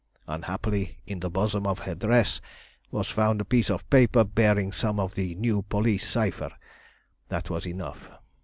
Unhappily, in the bosom of her dress was found a piece of paper bearing some of the new police cypher. That was enough.